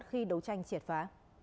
khi đấu tranh triệt phá